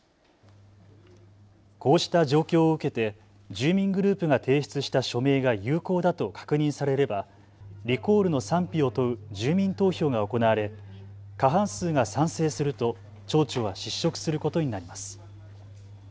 こうした状況を受けて住民グループが提出した署名が有効だと確認されればリコールの賛否を問う住民投票が行われ過半数が賛成すると町長は失職することになります。